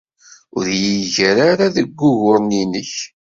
Ur iyi-ggar ara deg wuguren-nnek.